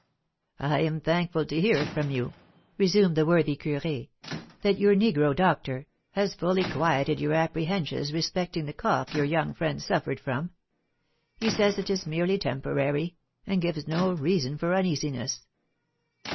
"I am thankful to hear from you," resumed the worthy curé, "that your negro doctor has fully quieted your apprehensions respecting the cough your young friend suffered from; he says it is merely temporary, and gives no reason for uneasiness."